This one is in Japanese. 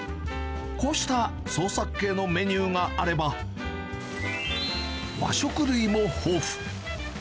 こうした創作系のメニューがあれば、和食類も豊富。